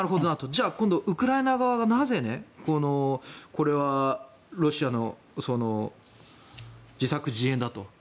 じゃあウクライナ側がなぜロシアの自作自演だと。